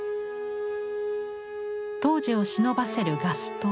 当時をしのばせるガス灯。